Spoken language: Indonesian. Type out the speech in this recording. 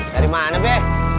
dari mana be